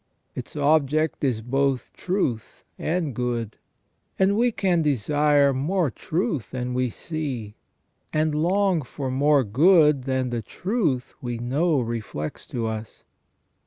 Its object is both truth and good, and we can desire more truth than we see, and long for more good than the truth we know reflects to us.